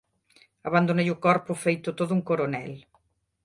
Abandonei o corpo feito todo un coronel.